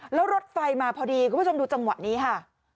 แล้วรถไฟมาพอดีคุณผู้ชมดูจังหวะนี้ค่ะ